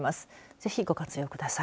ぜひ、ご活用ください。